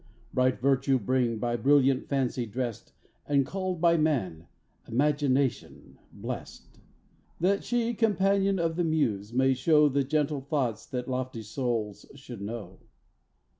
Bright Virtue bring, by brilliant Fancy drest, And called by man, Imagination, blest; That she, companion of the muse, may show The gentle thoughts that lofty souls should know.